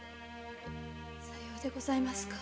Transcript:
さようでございますか。